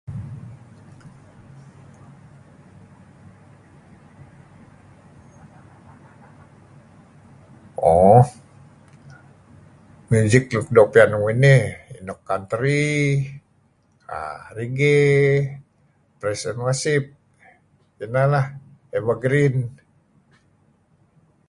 Ooh music luk nuk doo' piyan uih nih nuk country, reggae, praise and worship kineh lah, evergreen.